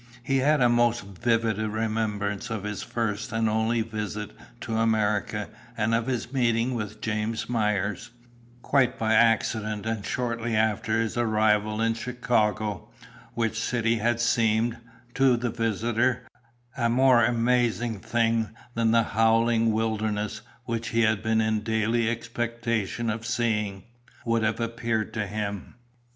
He had a most vivid remembrance of his first and only visit to America, and of his meeting with James Myers, quite by accident and shortly after his arrival in Chicago, which city had seemed, to the visitor, a more amazing thing than the howling wilderness which he had been in daily expectation of seeing, would have appeared to him.